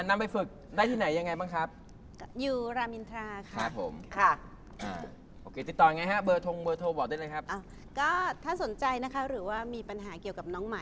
ช่วยกันค่ะช่วยกัน